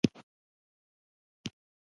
• لمر د ځمکې تودوخه برابروي.